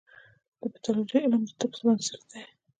د پیتالوژي علم د طب بنسټ دی.